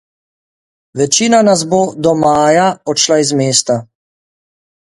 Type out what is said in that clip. Večina nas bo do maja odšla iz mesta.